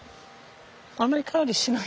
あんまり香りしない。